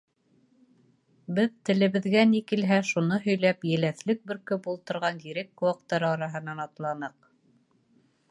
Беҙ, телебеҙгә ни килһә, шуны һөйләп, еләҫлек бөркөп ултырған ерек ҡыуаҡтары араһынан атланыҡ.